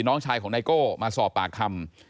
น้องชายของไนโก้มาสอบปากคำ